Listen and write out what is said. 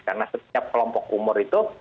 karena setiap kelompok umur itu